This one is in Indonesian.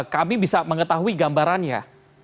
kami bisa mengetahui gambarannya